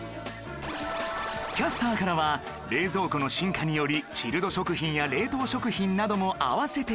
キャスターからは冷蔵庫の進化によりチルド食品や冷凍食品なども合わせて進化